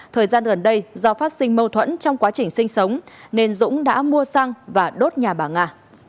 thời gian gần đây do phát sinh mâu thuẫn trong quá trình sinh sống nên dũng đã mua xăng và đốt nhà bà nga